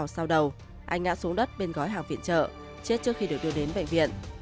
sau đầu anh ngã xuống đất bên gói hàng viện chợ chết trước khi được đưa đến bệnh viện